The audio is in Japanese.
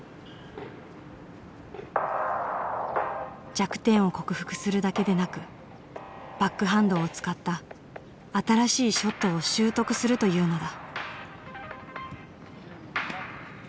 弱点を克服するだけでなくバックハンドを使った新しいショットを習得するというのだ。